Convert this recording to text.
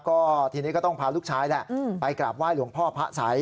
ก็ทีนี้ก็ต้องพาลูกชายแหละไปกราบไห้หลวงพ่อพระสัย